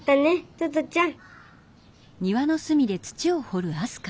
トトちゃん。